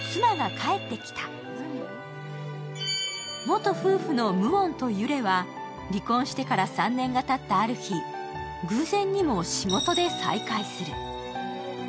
元夫婦のムウォンとユレは離婚してから３年がたったある日、偶然にも仕事で再会する。